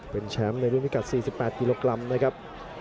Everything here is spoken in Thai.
เป็นแชมป์ในรุ่นพิกัด๔๘กิโลกรัมนะครับ